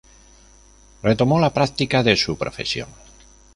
Retomó la práctica de su profesión.